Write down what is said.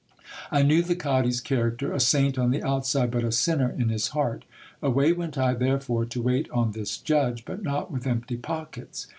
I knew the cadi's character : a saint on the outside, but a sinner in his heart. Away went I therefore to wait on this judge, but not with empty pockets.